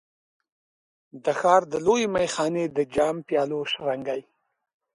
د ښار د لویې میخانې د جام، پیالو شرنګی